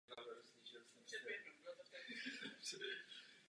Po ukončení studia pracoval jako konzultant pro firmu svého dědečka v Ósace v Japonsku.